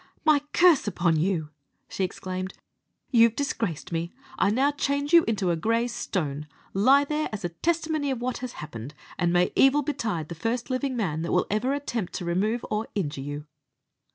"My curse upon you!" she exclaimed; "you've disgraced me. I now change you into a grey stone. Lie there as a testimony of what has happened; and may evil betide the first living man that will ever attempt to remove or injure you!"